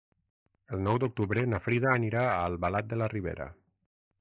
El nou d'octubre na Frida anirà a Albalat de la Ribera.